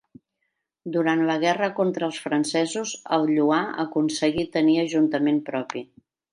Durant la guerra contra els francesos, el Lloar aconseguí tenir Ajuntament propi.